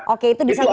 oke itu disatukan